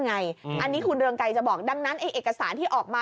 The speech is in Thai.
อันนี้คุณเรืองไกรจะบอกดังนั้นเอกสารที่ออกมา